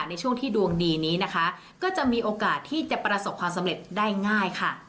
ในช่วงที่ดวงดีนี้นะคะก็จะมีโอกาสที่จะประสบความสำเร็จได้ง่ายค่ะ